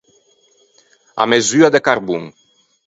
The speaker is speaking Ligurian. À mesua de carbon.